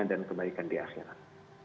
dan kebaikan di akhirat